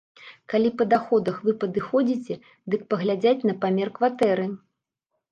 Калі па даходах вы падыходзіце, дык паглядзяць на памер кватэры.